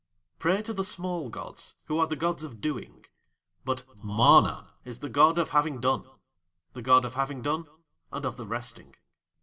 "Pray to the small gods, who are the gods of Doing; but MANA is the god of Having Done the god of Having Done and of the Resting.